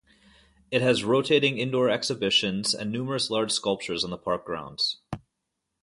It has rotating indoor exhibitions and numerous large sculptures on the park grounds.